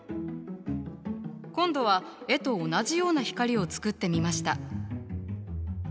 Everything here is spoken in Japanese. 今度は絵と同じような光を作ってみました。